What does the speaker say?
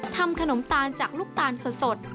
ทำขนมตาลจากลูกตาลสด